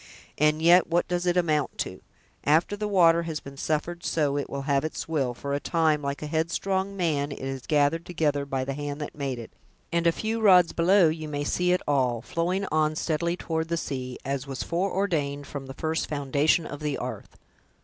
And yet what does it amount to! After the water has been suffered so to have its will, for a time, like a headstrong man, it is gathered together by the hand that made it, and a few rods below you may see it all, flowing on steadily toward the sea, as was foreordained from the first foundation of the 'arth!"